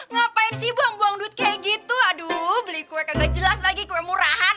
ngapain sih buang buang duit kayak gitu aduh beli kue kejelas lagi ke murahan